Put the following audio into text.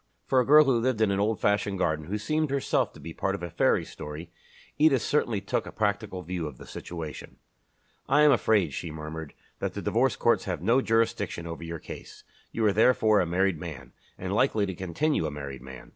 For a girl who lived in an old fashioned garden, and who seemed herself to be part of a fairy story, Edith certainly took a practical view of the situation. "I am afraid," she murmured, "that the Divorce Courts have no jurisdiction over your case. You are therefore a married man, and likely to continue a married man.